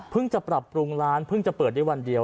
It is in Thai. จะปรับปรุงร้านเพิ่งจะเปิดได้วันเดียว